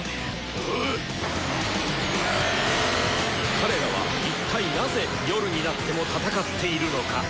彼らは一体なぜ夜になっても戦っているのか。